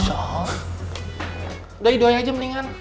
udah idoy aja mendingan